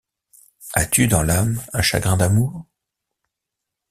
As-tu dans l’âme un chagrin d’amour?